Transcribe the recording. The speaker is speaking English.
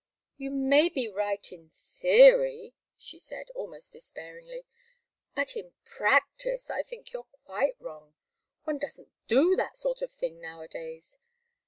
"You may be right in theory," she said, almost despairingly, "but in practice I think you're quite wrong. One doesn't do that sort of thing nowadays.